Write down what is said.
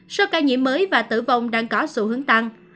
số ca nhiễm mới và tử vong đang có xu hướng tăng